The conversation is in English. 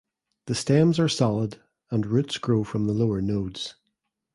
The stems are solid and roots grow from the lower nodes.